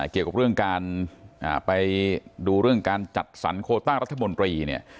เกี่ยวกับเรื่องการไปดูเรื่องการจัดสรรโคต้ารัฐมนตรีเนี่ย